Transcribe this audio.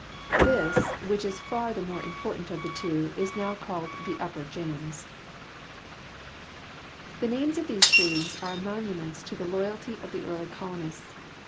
This, which is far the more important of the two, is now called the " Upper James." The names of these streams are monuments to the loyalty of the early colonists.